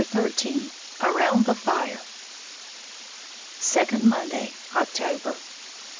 XIII AROUND THE FIRE _Second Monday, October.